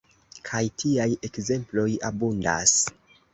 Kaj tiaj ekzemploj abundas.